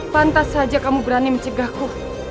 pantas saja kamu berani mencegahku